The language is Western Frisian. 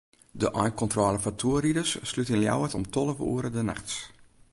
De einkontrôle foar toertochtriders slút yn Ljouwert om tolve oere de nachts.